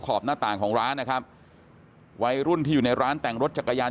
บหน้าต่างของร้านนะครับวัยรุ่นที่อยู่ในร้านแต่งรถจักรยาน